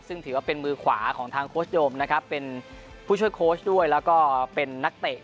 ซึ่งถือว่าเป็นมือขวาของทางโค้ชโยมนะครับเป็นผู้ช่วยโค้ชด้วยแล้วก็เป็นนักเตะ